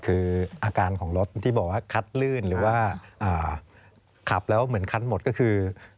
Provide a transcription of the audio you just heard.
คืออาการของรถที่บอกว่าคัดลื่นหรือว่าขับแล้วเหมือนคันหมดก็คือ